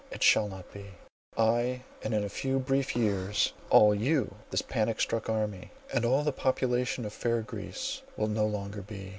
It shall not be! "I, and in a few brief years, all you,—this panic struck army, and all the population of fair Greece, will no longer be.